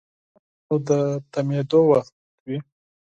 غرمه د کارونو د تمېدو وخت وي